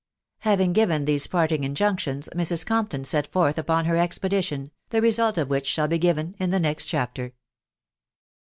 Haying given these parting injunctions^ Mrs. Corapton set forth upon her expedition, the result of which shall be given in the next chapter.